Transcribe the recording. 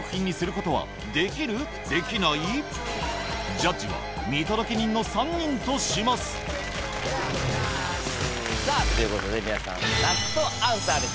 ジャッジは見届け人の３人としますさぁということで皆さん。